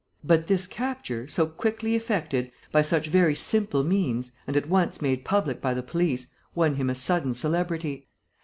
But this capture, so quickly effected, by such very simple means, and at once made public by the police, won him a sudden celebrity.